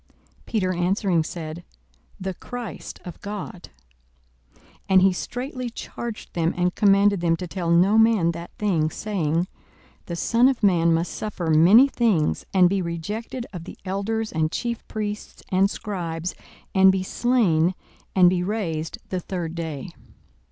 Peter answering said, The Christ of God. 42:009:021 And he straitly charged them, and commanded them to tell no man that thing; 42:009:022 Saying, The Son of man must suffer many things, and be rejected of the elders and chief priests and scribes, and be slain, and be raised the third day.